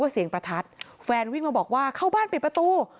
เสียงประทัดแฟนวิ่งมาบอกว่าเข้าบ้านปิดประตู